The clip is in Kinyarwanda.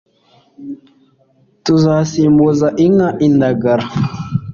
tuzasimbuza inka indagara